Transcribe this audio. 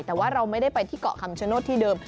แต่ว่าเราไม่ได้ไปที่เกาะคำชโนธที่เดิม